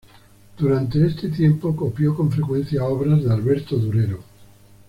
Durante este tiempo copió con frecuencia obras de Alberto Durero.